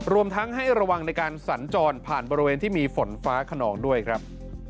รวมทั้งให้ระวังในการสัญจรผ่านบริเวณที่มีฝนฟ้าขนองด้วยครับ